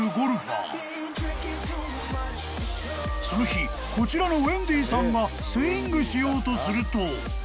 ［その日こちらのウェンディさんがスイングしようとすると］